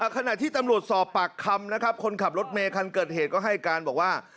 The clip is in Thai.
ขณะที่ตำรวจสอบปากคำนะครับคนขับรถเมย์คันเกิดเหตุก็ให้การบอกว่า